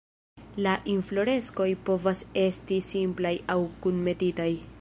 La infloreskoj povas esti simplaj aŭ kunmetitaj.